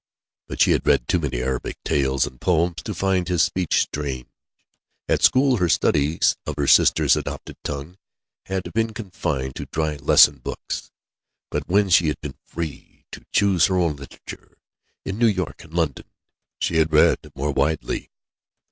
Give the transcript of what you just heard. But she had read too many Arabic tales and poems to find his speech strange. At school, her studies of her sister's adopted tongue had been confined to dry lesson books, but when she had been free to choose her own literature, in New York and London, she had read more widely.